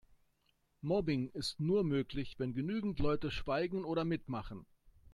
Mobbing ist nur möglich, wenn genügend Leute schweigen oder mitmachen.